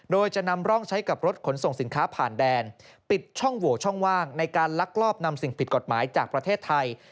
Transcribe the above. โดยจะนำร่องใช้กับรถขนส่งสินค้าผ่านแดนปิดช่องโหวตช่องว่างในการลักลอบนำสิ่งผิดกฎหมายจากประเทศไทย